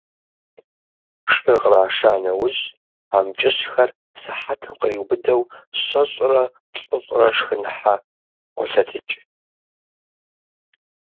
Шыр къраша нэужь, амкӀыщхэр сыхьэтым къриубыдэу щэщӏрэ-плӏыщӏрэ шхыныхьэ ӀуолъэтыкӀ.